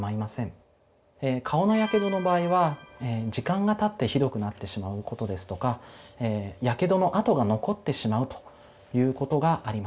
え顔のやけどの場合は時間がたってひどくなってしまうことですとかやけどの痕が残ってしまうということがあります。